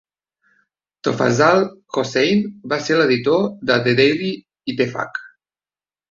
Tofazzal Hossain va ser l"editor de The Daily Ittefaq.